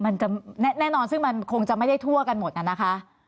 มันจะแน่นอนซึ่งมันคงจะไม่ได้ทั่วกันหมดน่ะนะคะ